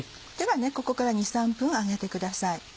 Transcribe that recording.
ではここから２３分揚げてください。